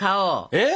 えっ？